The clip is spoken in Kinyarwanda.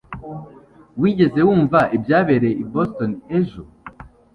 wigeze wumva ibyabereye i boston ejo